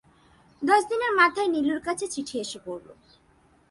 দশ দিনের মাথায় নীলুর কাছে চিঠি এসে পড়ল।